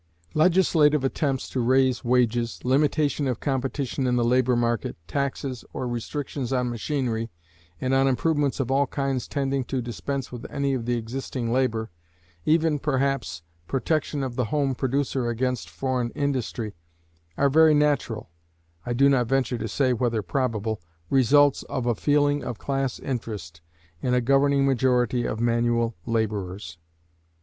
Legislative attempts to raise wages, limitation of competition in the labor market, taxes or restrictions on machinery, and on improvements of all kinds tending to dispense with any of the existing labor even, perhaps, protection of the home producer against foreign industry are very natural (I do not venture to say whether probable) results of a feeling of class interest in a governing majority of manual laborers.